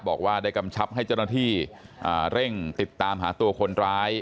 บอกว่าได้กำชับให้เจ้าหน้าที่เร่งติดตามหาตัวคนร้าย